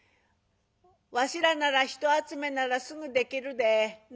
「わしらなら人集めならすぐできるで。なあ？」。